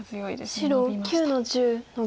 白９の十ノビ。